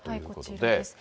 こちらです。